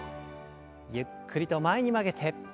ゆっくりと前に曲げて。